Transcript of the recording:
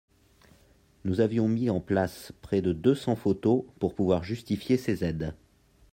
Nous avions mis en place près de deux cents photos pour pouvoir justifier ces aides.